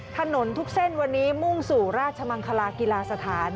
ถนนทุกเส้นวันนี้มุ่งสู่ราชมังคลากีฬาสถาน